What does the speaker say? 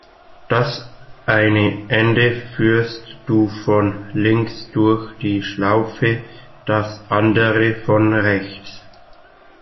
Das eine Ende führst du von links durch die Schlaufe, das andere von rechts.